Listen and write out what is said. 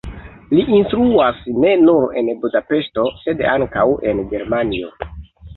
Li instruas ne nur en Budapeŝto, sed ankaŭ en Germanio.